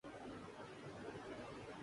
پانی میسر ہونے پر بھی پانی پھر پیا نہیں ہر